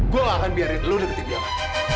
gue gak akan biarin lo deketin dia lagi